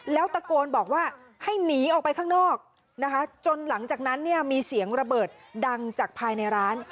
แล้วตะโกนบอกว่าให้หนีออกไปข้างนอกนะคะจนหลังจากนั้นเนี่ยมีเสียงระเบิดดังจากภายในร้าน